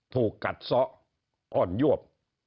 ถูกกัดซะอ่อนยวบ